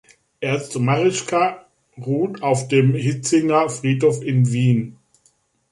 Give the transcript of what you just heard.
Ernst Marischka ruht auf dem Hietzinger Friedhof in Wien.